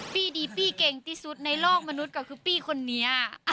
ปีดีปี้เก่งที่สุดในโลกมนุษย์ก็คือพี่คนนี้